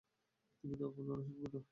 তুমি না বললে ওরা শুনবে না।